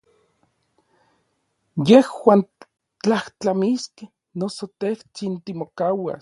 Yejuan tlajtlamiskej, noso tejtsin timokauas.